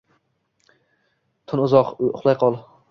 Tun uzoq, uxlayqol